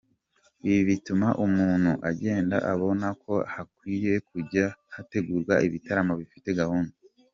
Ibi bituma umuntu agenda abona ko hakwiye kujya hategurwa ibitaramo bifite gahunda.